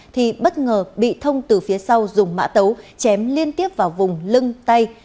thì bất ngờ bị thông từ phía sau dùng mã tấu chém liên tiếp vào vùng lưng tay